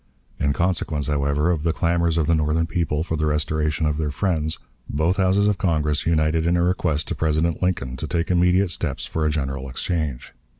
In consequence, however, of the clamors of the Northern people for the restoration of their friends, both Houses of Congress united in a request to President Lincoln to take immediate steps for a general exchange.